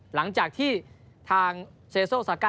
หลังจากที่ทางเซเลโซโอสาคา